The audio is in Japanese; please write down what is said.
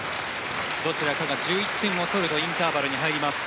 どちらかが１１点を取ればインターバルに入ります。